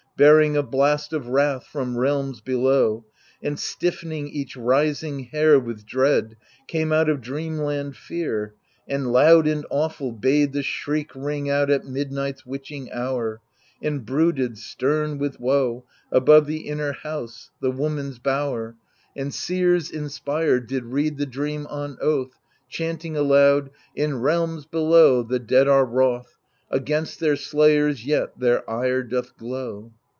Bearing a blast of wrath from realms below, And stiffening each rising hair with dread, Came out of dream land Fear, And, loud and awful, bade The shriek ring out at midnight's witching hour, And brooded, stem with woe. Above the inner house, the woman's bower THE LIBATION BEARERS 83 And seers inspired did read the dream on oath, Chanting aloud In realms below The dead are wroth; Against their slayers yet their ire doth glow.